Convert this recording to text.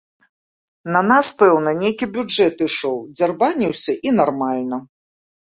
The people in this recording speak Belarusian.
На нас, пэўна, нейкі бюджэт ішоў, дзярбаніўся і нармальна.